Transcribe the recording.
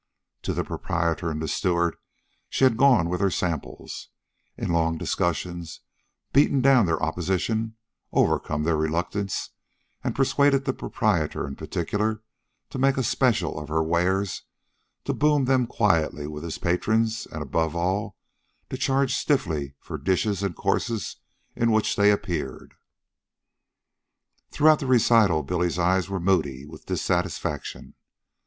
To the proprietor and the steward she had gone with her samples, in long discussions beaten down their opposition, overcome their reluctance, and persuaded the proprietor, in particular, to make a "special" of her wares, to boom them quietly with his patrons, and, above all, to charge stiffly for dishes and courses in which they appeared. Throughout the recital Billy's eyes were moody with dissatisfaction.